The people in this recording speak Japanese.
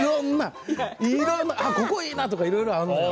ここ、ええなとかいろいろあるのよ。